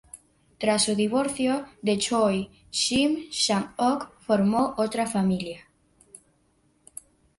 Tras su divorcio de Choi, Shin Sang-ok formó otra familia.